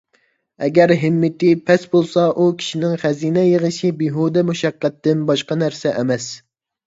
ئەگەر ھىممىتى پەس بولسا، ئۇ كىشىنىڭ خەزىنە يىغىشى بىھۇدە مۇشەققەتتىن باشقا نەرسە ئەمەس.